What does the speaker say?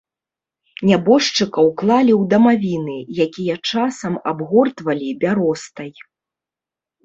Нябожчыкаў клалі ў дамавіны, якія часам абгортвалі бяростай.